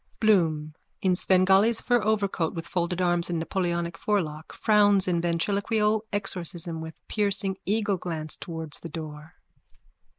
BLOOM: _(In Svengali's fur overcoat, with folded arms and Napoleonic forelock, frowns in ventriloquial exorcism with piercing eagle glance towards the door.